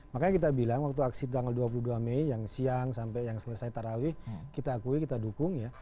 makanya kita bilang waktu aksi tanggal dua puluh dua mei yang siang sampai yang selesai tarawih kita akui kita dukung ya